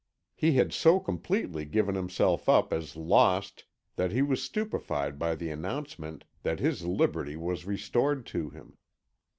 He had so completely given himself up as lost that he was stupefied by the announcement that his liberty was restored to him.